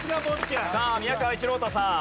さあ宮川一朗太さん。